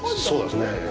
そうですね。